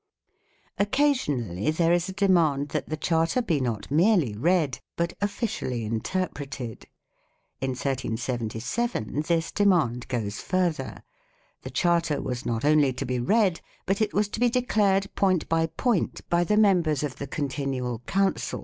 Occasionally there is a demand that the Charter be not merely read, but officially interpreted. 7 In 1377 this demand goes further. The Charter was not only to be read, but it was to be declared point by point by the members of the Continual Council with 1 " Rot.